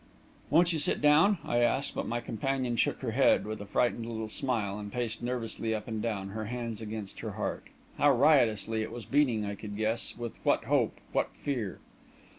"Won't you sit down?" I asked, but my companion shook her head, with a frightened little smile, and paced nervously up and down, her hands against her heart. How riotously it was beating I could guess with what hope, what fear....